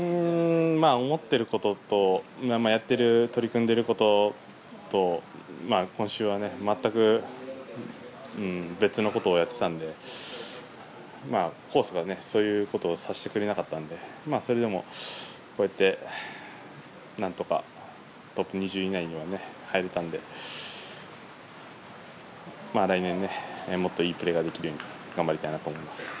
思っていることとやっている取り組んでいることと今週は全く別のことをやっていたのでコースがそういうことをさせてくれなかったのでそれでも、こうやってなんとかトップ２０位以内には入れたので来年、もっといいプレーができるように頑張りたいと思います。